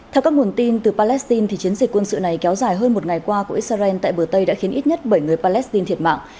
theo các nguồn tin từ palestine chiến dịch quân sự này kéo dài hơn một ngày qua của israel tại bờ tây đã khiến ít nhất bảy người palestine thiệt mạng